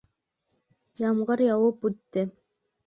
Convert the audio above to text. Ямғыр яуып үтте.